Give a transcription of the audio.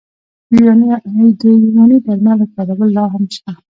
د یوناني درملو کارول لا هم شته.